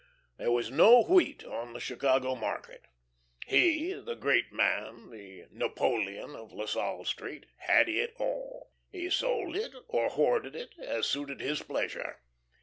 There was no wheat on the Chicago market. He, the great man, the "Napoleon of La Salle Street," had it all. He sold it or hoarded it, as suited his pleasure.